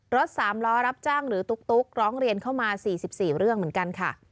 รถสามล้อรับจ้างหรือตุ๊กตุ๊กร้องเรียนเข้ามาสี่สิบสี่เรื่องเหมือนกันค่ะ